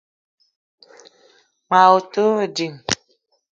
Mag me te pe wa ding.